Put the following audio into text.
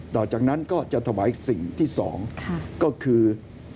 ต่อจากนั้นก็จะถวายสิ่งที่๒ก็คือ